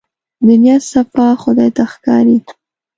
د نيت صفا خدای ته ښکاري.